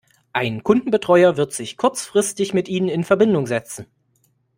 Ein Kundenbetreuer wird sich kurzfristig mit ihnen in Verbindung setzen.